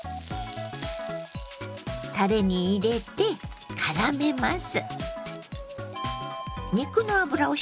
たれに入れてからめます。